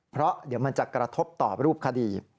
เพราะเดี๋ยวมันจะกระทบต่อรูปคดี